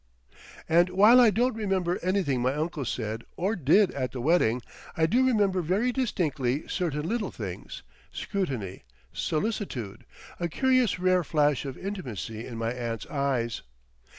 And while I don't remember anything my uncle said or did at the wedding, I do remember very distinctly certain little things, scrutiny, solicitude, a curious rare flash of intimacy in my aunt's eyes.